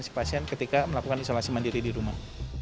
si pasien ketika melakukan isolasi mandiri di rumah